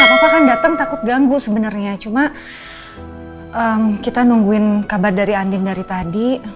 apa apa kan datang takut ganggu sebenarnya cuma kita nungguin kabar dari andin dari tadi